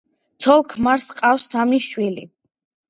ცოლ-ქმარს ჰყავს სამი შვილი.